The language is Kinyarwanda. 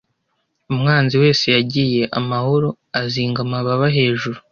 Umwanzi wese yagiye, - amahoro azinga amababa hejuru